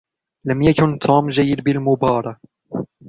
لم يكن توم جيد بالمباره